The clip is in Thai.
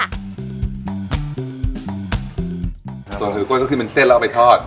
ส่วนถือกล้วยก็ขึ้นเป็นเส้นแล้วเอาไปทอด